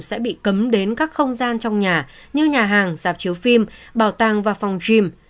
sẽ bị cấm đến các không gian trong nhà như nhà hàng dạp chiếu phim bảo tàng và phòng dream